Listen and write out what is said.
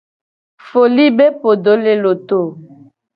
Foli be podo le loto.